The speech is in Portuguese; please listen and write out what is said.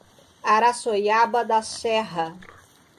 Araçoiaba da Serra